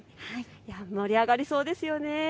盛り上がりそうですね。